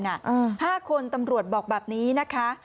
ห้าคนตำรวจบอกแบบนี้นะคะ